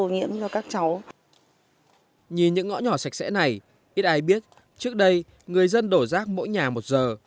trong khi các con ngõ đã bị rác bà quý đã đổ rác mỗi nhà một giờ